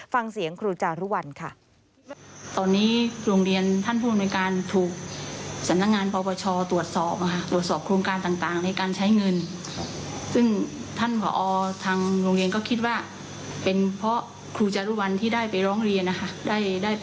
ฟังเสียงครูจารุวัลค่ะ